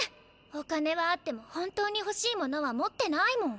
お金はあっても本当にほしいものは持ってないもん。